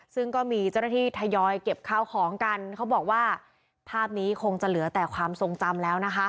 ซึ่งก็มีเจ้าหน้าที่ทยอยเก็บข้าวของกันเขาบอกว่าภาพนี้คงจะเหลือแต่ความทรงจำแล้วนะคะ